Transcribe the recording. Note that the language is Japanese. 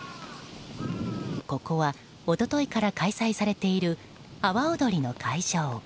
ここは一昨日から開催されている阿波おどりの会場。